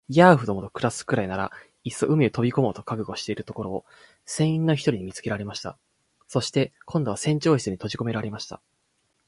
ヤーフどもと暮すくらいなら、いっそ海へ飛び込もうと覚悟しているところを、船員の一人に見つけられました。そして、今度は船長室にとじこめられました。